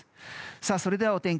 それではお天気